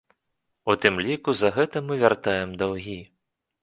У тым ліку за гэта мы вяртаем даўгі.